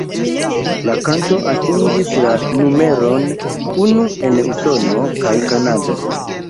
La kanto atingis la numeron unu en Usono kaj Kanado.